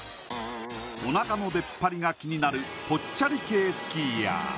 おなかの出っ張りが気になるぽっちゃり系スキーヤー。